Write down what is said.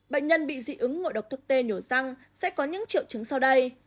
bệnh nhân bị dị ứng ngội độc thuốc tê nhổ răng sẽ có những triệu chứng sau đây